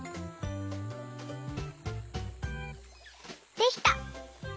できた！